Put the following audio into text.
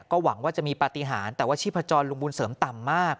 หวังว่าจะมีปฏิหารแต่ว่าชีพจรลุงบุญเสริมต่ำมาก